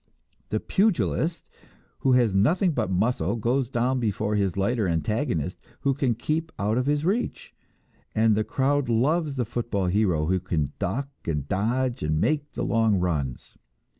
The pugilist who has nothing but muscle goes down before his lighter antagonist who can keep out of his reach, and the crowd loves the football hero who can duck and dodge and make the long runs.